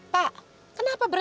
gak ada nobi kayaknya